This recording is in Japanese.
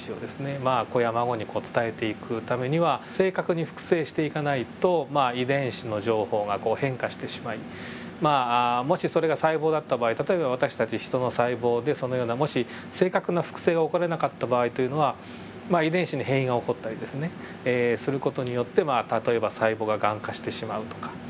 まあ子や孫にこう伝えていくためには正確に複製していかないとまあ遺伝子の情報がこう変化してしまいもしそれが細胞だった場合例えば私たちヒトの細胞でそのようなもし正確な複製が行われなかった場合というのはまあ遺伝子の変異が起こったりですねする事によって例えば細胞がガン化してしまうとか。